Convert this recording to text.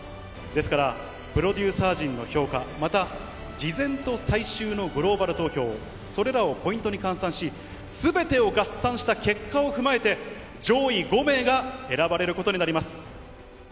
ですから、プロデューサー陣の評価、また、事前と最終のグローバル投票、それらをポイントに換算し、すべてを合算した結果を踏まえて、上位５名が選ばれることになります。